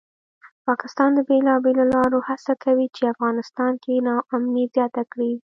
پاکستان د بېلابېلو لارو هڅه کوي چې افغانستان کې ناامني زیاته کړي